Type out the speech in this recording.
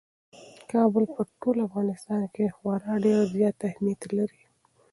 کابل په ټول افغانستان کې خورا ډېر زیات اهمیت لري.